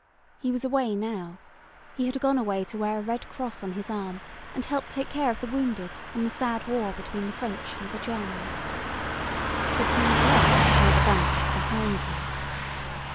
He was away now: he had gone away to wear a red cross on his arm, and help to take care of the wounded in the sad war between the French and Germans. But he had left Mother Bunch behind him.